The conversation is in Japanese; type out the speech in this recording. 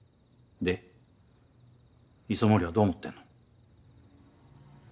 で磯森はどう思ってんの？